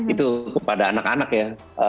itu kepada anak anak ya